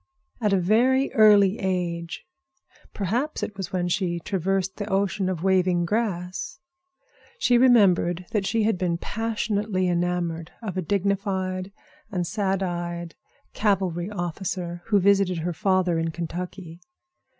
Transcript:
At a very early age—perhaps it was when she traversed the ocean of waving grass—she remembered that she had been passionately enamored of a dignified and sad eyed cavalry officer who visited her father in Kentucky.